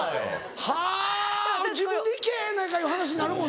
はぁ自分で行きゃええやないかいう話になるもんな。